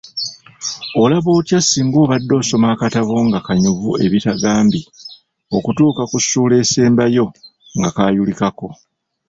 Olaba otya singa obadde osoma akatabo nga kanyuvu ebitagambi, okutuuka ku ssuula esembayo nga yayulikako!